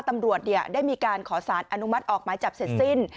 ตำรวจได้มีการขอสารอนุมัติออกหมายจับเสร็จสิ้น